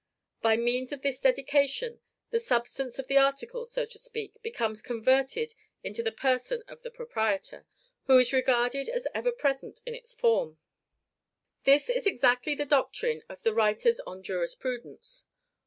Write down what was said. By means of this dedication, the substance of the article so to speak becomes converted into the person of the proprietor, who is regarded as ever present in its form. This is exactly the doctrine of the writers on jurisprudence.